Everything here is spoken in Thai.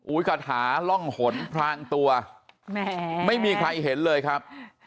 อุ๊ยขาถหล่องถนพลางตัวไม่มีใครเห็นเลยครับ